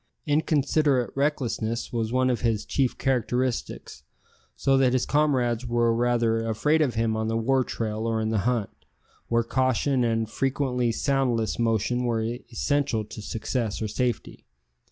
Inconsiderate recklessness was one of his chief characteristics, so that his comrades were rather afraid of him on the war trail or in the hunt, where caution and frequently soundless motion were essential to success or safety.